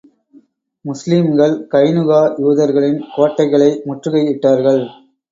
முஸ்லிம்கள் கைனுகா யூதர்களின் கோட்டைகளை முற்றுகை இட்டார்கள்.